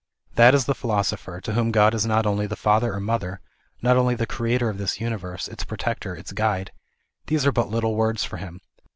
That is the philosoper, to whom God is not only the Father or Mother, not only the Greater of this Uni verse, its Protector, its Guide ; these are but little words for him.